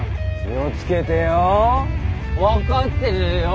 気を付けてよ。分かってるよ。